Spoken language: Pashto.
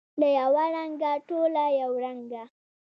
له یوه رنګه، ټوله یو رنګه